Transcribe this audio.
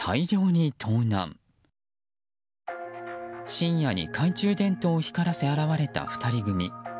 深夜に懐中電灯を光らせ現れた２人組。